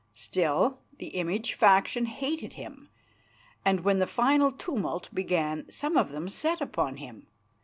Still, the image faction hated him, and when the final tumult began some of them set upon him.